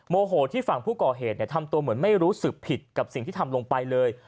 โหที่ฝั่งผู้ก่อเหตุทำตัวเหมือนไม่รู้สึกผิดกับสิ่งที่ทำลงไปเลย